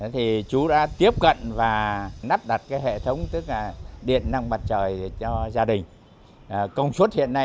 thì chú đã tiếp cận và nắp đặt cái hệ thống tức là điện năng mặt trời cho gia đình